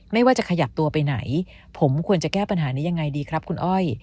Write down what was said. ไม่ว่าจะขยับตัวไปไหนผมควรจะแก้ปัญหานี้ยังไงดีครับคุณอ้อย